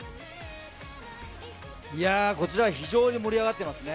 こちらは非常に盛り上がっていますね。